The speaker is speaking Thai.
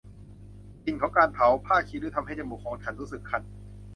กลิ่นของการเผาผ้าขี้ริ้วทำให้จมูกของฉันรู้สึกคัน